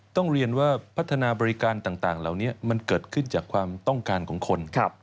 ต้องเรียนว่าพัฒนาบริการต่างเหล่านี้มันเกิดขึ้นจากความต้องการของคน